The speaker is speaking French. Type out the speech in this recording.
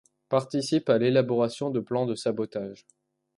Participe à l’élaboration de plans de sabotage.